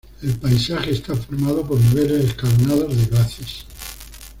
El paisaje está formado por niveles escalonados de glacis.